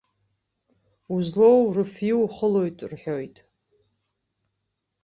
Узлоу рыфҩы ухылоит рҳәоит.